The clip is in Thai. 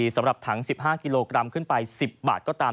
สำหรับถัง๑๕กิโลกรัมขึ้นไป๑๐บาทก็ตาม